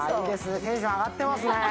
テンション上がってますね。